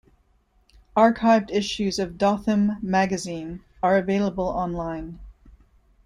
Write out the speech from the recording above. Archived issues of "Dothan Magazine" are available online.